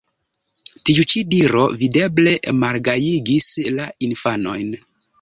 Tiu ĉi diro videble malgajigis la infanojn.